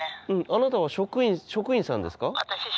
あなたは職員さんですか？